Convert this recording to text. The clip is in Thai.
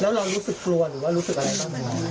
แล้วเรารู้สึกกลัวหรือว่ารู้สึกอะไรบ้างไหมน้อง